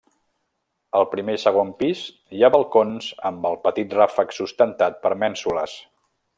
Al primer i segon pis hi ha balcons amb el petit ràfec sustentat per mènsules.